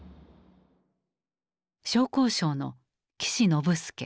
商工省の岸信介。